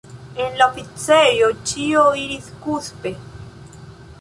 En la oficejo, ĉio iris kuspe.